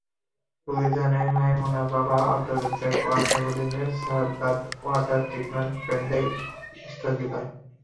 Police জানায়, মাইমুনার বাবা আবদুর রাজ্জাক ওয়াসার অধীন সায়েদাবাদ ওয়াটার ট্রিটমেন্ট প্ল্যান্টের স্টোরকিপার।